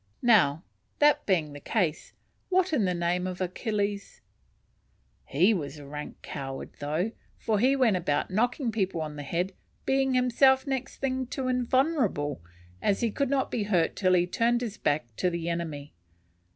Now, that being the case, what in the name of Achilles, (he was a rank coward, though, for he went about knocking people on the head, being himself next thing to invulnerable, as he could not be hurt till he turned his back to the enemy.